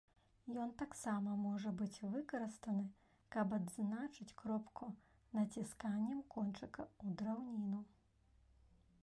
Ён таксама можа быць выкарыстаны, каб адзначыць кропку націсканнем кончыка ў драўніну.